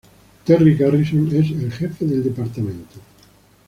Terry Garrison es el jefe del departamento.